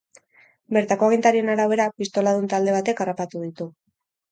Bertako agintarien arabera, pistoladun talde batek harrapatu ditu.